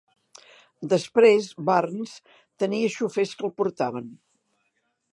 Després, Burns tenia xofers que el portaven.